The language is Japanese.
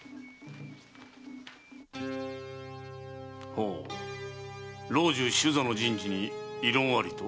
ほお老中首座の人事に異論ありと？